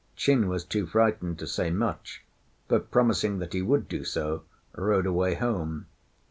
Chin was too frightened to say much, but promising that he would do so, rode away home.